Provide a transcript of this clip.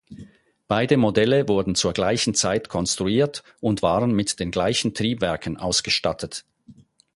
Beide Modelle wurden zur gleichen Zeit konstruiert und waren mit den gleichen Triebwerken ausgestattet.